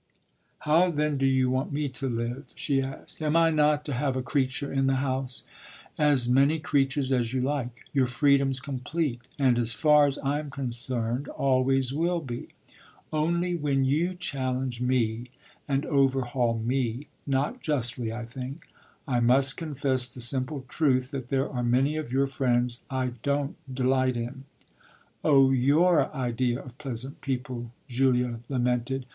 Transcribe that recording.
"How then do you want me to live?" she asked. "Am I not to have a creature in the house?" "As many creatures as you like. Your freedom's complete and, as far as I'm concerned, always will be. Only when you challenge me and overhaul me not justly, I think I must confess the simple truth, that there are many of your friends I don't delight in." "Oh your idea of pleasant people!" Julia lamented.